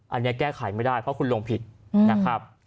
อันนี้แก้ไขไม่ได้เพราะคุณลงผิดนะครับ